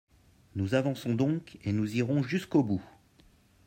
Nous avançons donc, et nous irons jusqu’au bout.